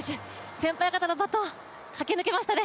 先輩方のバトン駆け抜けましたね。